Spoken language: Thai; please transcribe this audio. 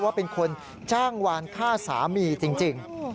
ว่าเป็นคนจ้างวานฆ่าสามีจริง